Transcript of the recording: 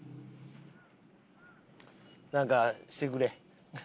なんかしてくれ。